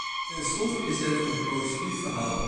Tenslotte is het een positief verhaal.